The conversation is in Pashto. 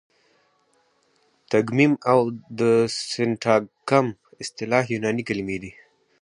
تګمیم او د سینټاګم اصطلاح یوناني کلیمې دي.